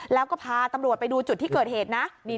แล้วก็พาตำรวจไปดูจุดที่เกิดเหตุนะ